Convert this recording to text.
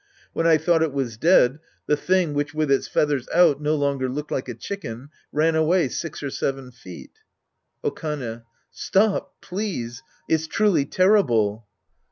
When I thought it was dead, the thing, which with its feathers out, no longer looked like a chicken, ran away six or seven feet. Okane. Stop, please. It's truly terrible.